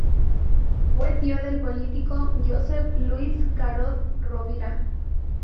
Fue tío del político Josep-Lluís Carod-Rovira.